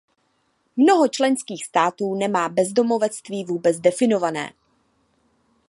Mnoho členských států nemá bezdomovectví vůbec definované.